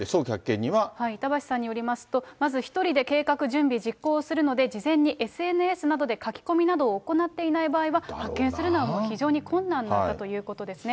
板橋さんによりますと、まず１人で計画準備実行するので、事前にＳＮＳなどで書き込みなどを行っていない場合は発見するのは非常に困難ということですね。